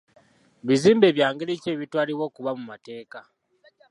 Bizimbe bya ngeri ki ebitwalibwa okuba mu mateeka?